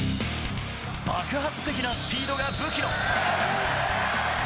爆発的なスピードが武器の。